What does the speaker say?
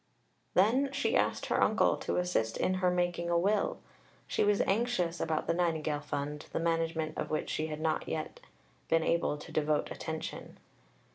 Then she asked her uncle to assist her in making a will. She was anxious about the Nightingale Fund, to the management of which she had not as yet been able to devote attention.